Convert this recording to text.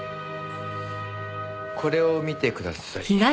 これを見てください。